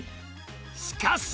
しかし！